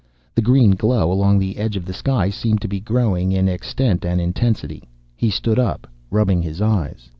The green glow along the edge of the sky seemed to be growing in extent and intensity. He stood up, rubbing his eyes.